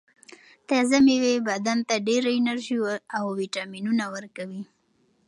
تازه مېوې بدن ته ډېره انرژي او ویټامینونه ورکوي.